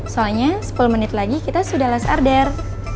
soalnya sepuluh menit lagi kita sudah last order